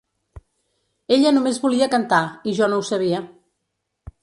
Ella només volia cantar, i jo no ho sabia.